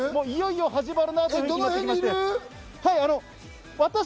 いよいよ始まるなと。